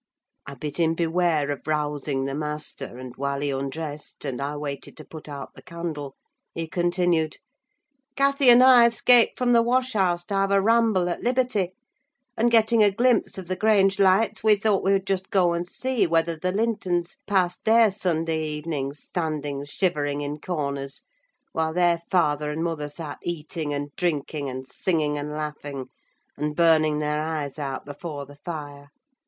I bid him beware of rousing the master, and while he undressed and I waited to put out the candle, he continued—"Cathy and I escaped from the wash house to have a ramble at liberty, and getting a glimpse of the Grange lights, we thought we would just go and see whether the Lintons passed their Sunday evenings standing shivering in corners, while their father and mother sat eating and drinking, and singing and laughing, and burning their eyes out before the fire.